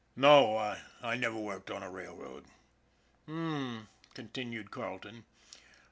" No, I never worked on a rail road." " H'm," continued Carleton.